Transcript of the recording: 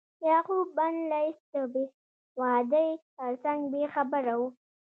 یعقوب بن لیث د بیسوادۍ ترڅنګ بې خبره و.